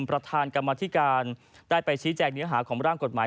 ประธานกรรมธิการได้ไปชี้แจงเนื้อหาของร่างกฎหมาย